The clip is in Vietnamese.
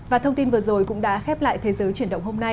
và thông tin vừa rồi cũng đã khép lại thế giới chuyển động hôm nay